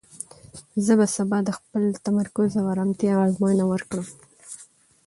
زه به سبا د خپل تمرکز او ارامتیا ازموینه وکړم.